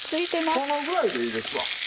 このぐらいでいいですわ。